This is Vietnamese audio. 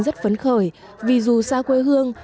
rất phấn khởi vì dù xa quê hương